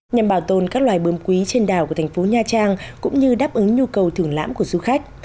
nhằm bảo tồn các loài bươm quý trên đảo của thành phố nha trang cũng như đáp ứng nhu cầu thưởng lãm của du khách